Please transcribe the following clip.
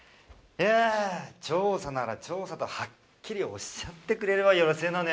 いやあ調査なら調査とはっきりおっしゃってくれればよろしいのに。